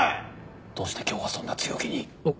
どうして今日はそんな強気に。